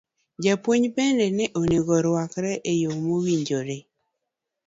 Jopuonj bende ne onego orwakre e yo mowinjore.